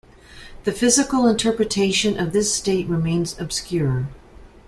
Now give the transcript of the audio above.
The physical interpretation of this state remains obscure.